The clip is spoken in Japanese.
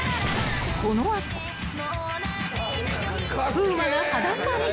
［風磨が裸に］